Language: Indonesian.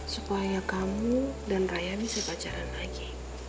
supaya kamu dan raya bisa pacaran lagi